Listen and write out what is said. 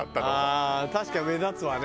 ああー確かに目立つわね。